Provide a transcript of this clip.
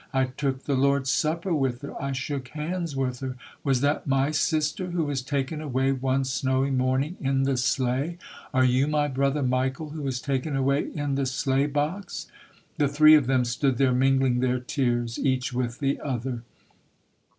I took the Lord's Supper with her. I shook hands with SOJOURNER TRUTH [ 219 her! Was that my sister who was taken away one snowy morning in the sleigh? Are you my brother Michael who was taken away in the sleigh box?" The three of them stood there mingling their tears each with the other.